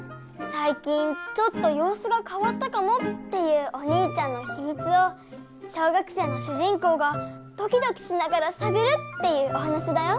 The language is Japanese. さい近ちょっとようすがかわったかもっていうお兄ちゃんのひみつを小学生の主人公がドキドキしながらさぐるっていうおはなしだよ。